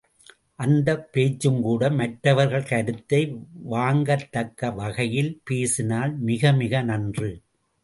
அந்தப் பேச்சும்கூட மற்றவர்கள் கருத்தை வாங்கத்தக்க வகையில் பேசினால் மிகமிக நன்று.